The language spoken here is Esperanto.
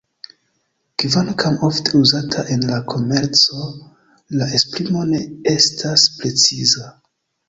Kvankam ofte uzata en la komerco la esprimo ne estas preciza.